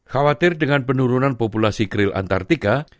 khawatir dengan penurunan populasi kril antartika